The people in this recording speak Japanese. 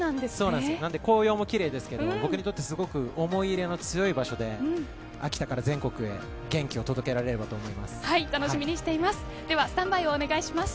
紅葉もきれいですけど、僕にとってすごく思い入れの強い場所で、秋田から全国へ元気を届けられればと思っています。